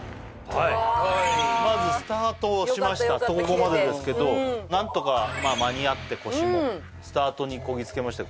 まずスタートをしましたとここまでですけど何とかまあ間に合って腰もスタートにこぎつけました